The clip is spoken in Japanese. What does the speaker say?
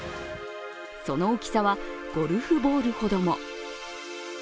その大きさはゴルフボールほども。